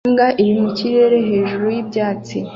Imbwa iri mu kirere hejuru y'ibyatsi